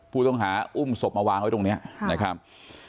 ผู้ต้องหาอุ้มศพมาวางไว้ตรงนี้นะครับ